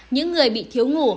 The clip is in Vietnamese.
những người bị thiếu ngủ